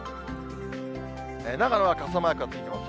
長野は傘マークがついてます。